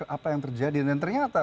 apa yang terjadi dan ternyata